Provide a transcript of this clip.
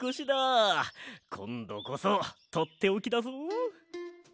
こんどこそとっておきだぞ！